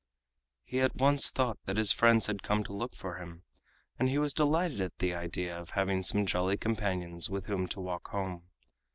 He at once thought that his friends had come to look for him, and he was delighted at the idea of having some jolly companions with whom to walk home.